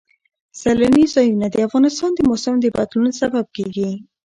سیلانی ځایونه د افغانستان د موسم د بدلون سبب کېږي.